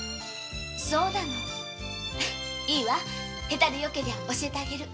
そうなのいいわ下手でよけりゃ教えてあげる。